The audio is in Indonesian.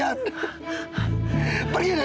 kamu berdua alena